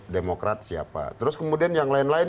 demokrat siapa terus kemudian yang lain lain